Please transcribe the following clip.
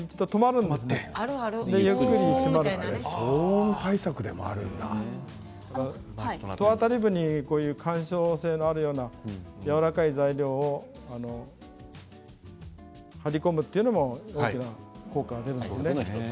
そしてゆっくり閉まると戸あたり部分に緩衝性のあるようなやわらかい材料を貼り込むというのも効果が出るんですね。